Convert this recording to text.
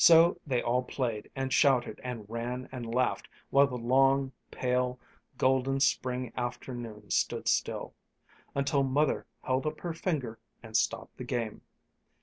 So they all played and shouted and ran and laughed, while the long, pale golden spring afternoon stood still, until Mother held up her finger and stopped the game.